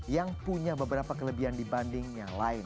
yang punya beberapa kelebihan dibanding yang lain